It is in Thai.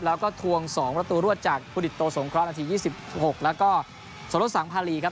แล้วก็ทวง๒ประตูรวจจากพุทธิโตสงคร้อนนาที๒๖แล้วก็สรสังภารีครับ